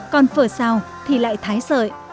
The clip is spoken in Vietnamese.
còn phở xào thì lại thái sợi